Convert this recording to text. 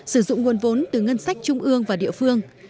sử dụng nguồn vốn từ ngân sách trung ương và địa phương